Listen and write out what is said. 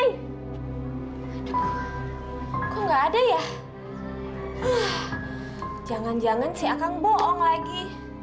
bibi kok gak ada ya jangan jangan siakang bohong lagi